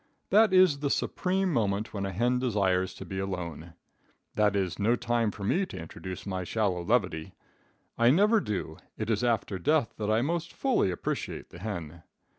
That is the supreme moment when a hen desires to be alone. That is no time for me to introduce my shallow levity, I never do it is after death that I most fully appreciate the hen.